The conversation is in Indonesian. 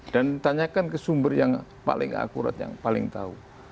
dan ditanyakan ke sumber yang paling akurat yang paling tahu